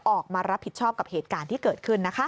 ออกมารับผิดชอบกับเหตุการณ์ที่เกิดขึ้นนะคะ